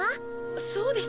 そうでした。